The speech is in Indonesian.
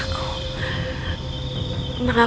sebagai pembawa ke dunia